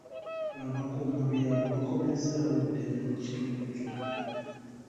Abukuuma byalo bakomezzaawo eddembe mu kitundu kyo.